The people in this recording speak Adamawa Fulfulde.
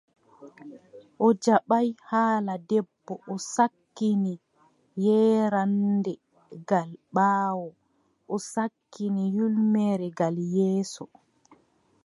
O jaɓaay haala debbo, o sakkini yeeraande gal ɓaawo, o sakkini ƴulmere gal yeeso.